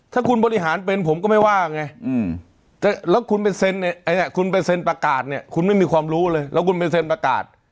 ถ้าคุณบริหารเป็นผมก็ไม่ว่าไงแล้วคุณไปเซ็นคุณไปเซ็นประกาศเนี่ยคุณไม่มีความรู้เลยแล้วคุณไปเซ็นประกาศ